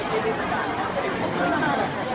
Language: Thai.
การรับความรักมันเป็นอย่างไร